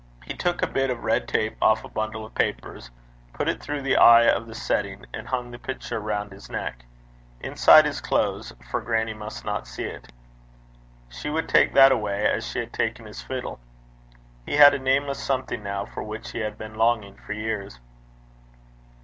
He took a bit of red tape off a bundle of the papers, put it through the eye of the setting, and hung the picture round his neck, inside his clothes, for grannie must not see it. She would take that away as she had taken his fiddle. He had a nameless something now for which he had been longing for years.